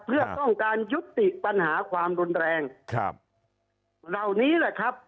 เพื่อต้องการยุติปัญหาความรุนแรงครับเหล่านี้แหละครับ